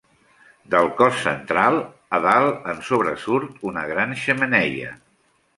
Del cos central, a dalt, en sobresurt una gran xemeneia.